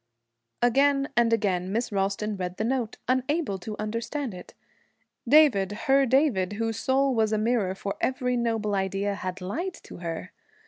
Again and again Miss Ralston read the note, unable to understand it. David, her David, whose soul was a mirror for every noble idea, had lied to her!